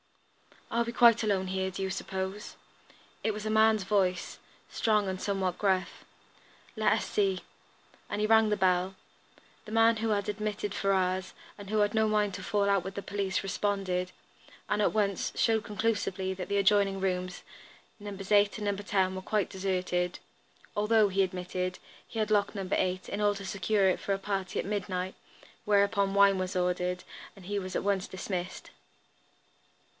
"Are we quite alone here, do you suppose?" It was a man's voice, strong and somewhat gruff. "Let us see." And he rang the bell. The man who had admitted Ferrars, and who had no mind to fall out with the police, responded, and at once showed conclusively that the adjoining rooms, Nos. 8 and 10, were quite deserted, although, he admitted, he had locked No. 8 in order to secure it for a party at midnight; whereupon wine was ordered and he was at once dismissed.